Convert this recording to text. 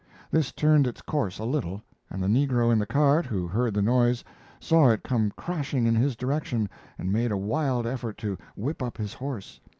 This turned its course a little, and the negro in the cart, who heard the noise, saw it come crashing in his direction and made a wild effort to whip up his horse.